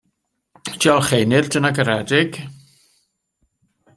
Diolch Einir, dyna garedig.